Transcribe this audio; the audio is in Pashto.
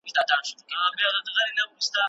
نننۍ سوسيالستي نړۍ پر کلک بنسټ ولاړه ده.